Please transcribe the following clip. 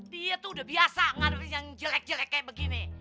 dia tuh udah biasa ngandungin yang jelek jelek kayak begini